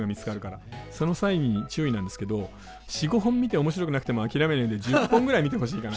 その際に注意なんですけど４５本見て面白くなくても諦めないで１０本ぐらい見てほしいかな。